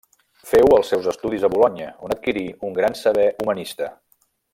Féu els seus estudis a Bolonya, on adquirí un gran saber humanista.